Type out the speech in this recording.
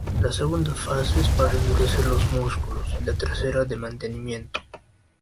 La segunda fase es para endurecer los músculos, y la tercera de mantenimiento.